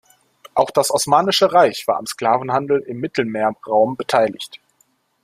Auch das Osmanische Reich war am Sklavenhandel im Mittelmeerraum beteiligt.